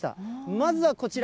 まずはこちら。